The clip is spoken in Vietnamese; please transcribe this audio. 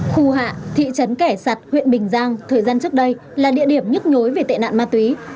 khu hạ thị trấn kẻ sạt huyện bình giang thời gian trước đây là địa điểm nhức nhối về tệ nạn ma túy